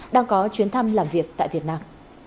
đang có chuyến thăm làm việc tại việt nam